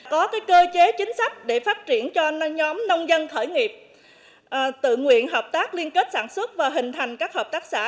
có cơ chế chính sách để phát triển cho nhóm nông dân khởi nghiệp tự nguyện hợp tác liên kết sản xuất và hình thành các hợp tác xã